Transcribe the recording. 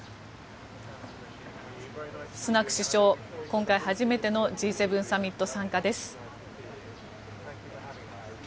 スナク首相、今回初めてのＧ７サミット参加です。